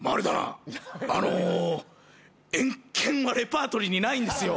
エンケンはレパートリーにないんですよ。